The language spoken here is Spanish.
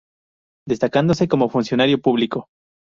Destacándose como funcionario público.